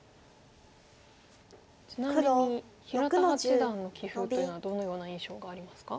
ちなみに平田八段の棋風というのはどのような印象がありますか？